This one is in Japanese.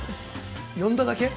呼んだだけ？